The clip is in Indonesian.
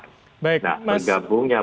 nah menggabungnya pak